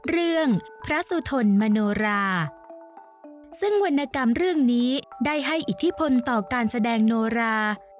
พระสุทนมโนราซึ่งวรรณกรรมเรื่องนี้ได้ให้อิทธิพลต่อการแสดงโนรา